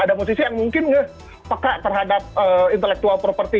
ada musisi yang mungkin nge peka terhadap intellectual property